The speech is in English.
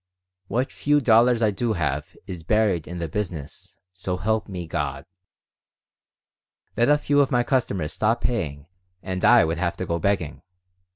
What few dollars I do have is buried in the business. So help me, God! Let a few of my customers stop paying and I would have to go begging.